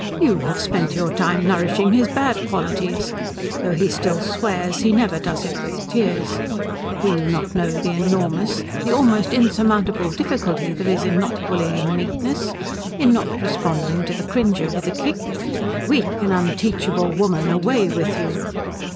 You have spent your time nourishing his bad qualities. Though he still swears, he never does it with tears. Do you not know the enormous, the almost insurmountable difficulty there is in not bullying meekness, in not responding to the cringer with a kick? Weak and unteachable woman, away with you."